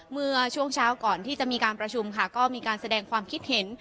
เมื่อช่วงเช้าก่อนที่จะมีการประชุมค่ะก็มีการแสดงความคิดเห็น